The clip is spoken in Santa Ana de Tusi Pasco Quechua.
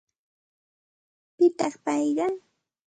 ¿Pitaq payqa?